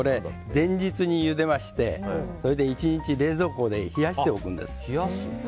前日に茹でましてそれで１日冷蔵庫で冷やしておくんです。